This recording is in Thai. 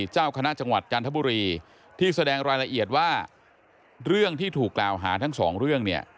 เจ้าคณะจังหวัดจันทบุรีที่แสดงรายละเอียดว่าเรื่องที่ถูกกล่าวหาทั้งสองเรื่องเนี่ย